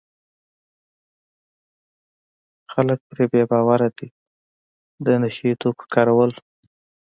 خلک پرې بې باوره وي د نشه یي توکو کارول.